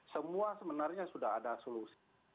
semua sebenarnya sudah ada solusi